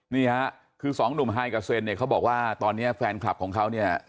นี่ฮะคือสองหนุ่มไฮกาเซนเนี่ยเขาบอกว่าตอนนี้แฟนคลับของเขาเนี่ย